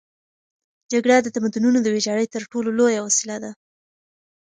جګړه د تمدنونو د ویجاړۍ تر ټولو لویه وسیله ده.